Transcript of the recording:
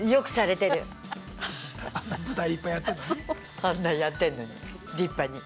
あんなやってんのに立派に。